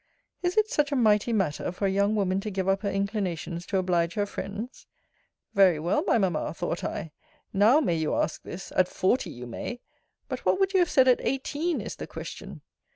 Is it such a mighty matter for a young woman to give up her inclinations to oblige her friends? Very well, my mamma, thought I! Now, may you ask this at FORTY, you may. But what would you have said at EIGHTEEN, is the question?